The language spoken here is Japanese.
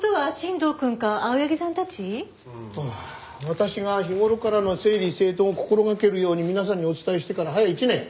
私が日頃からの整理整頓を心掛けるように皆さんにお伝えしてから早１年。